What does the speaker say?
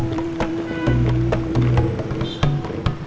sampai jumpa lagi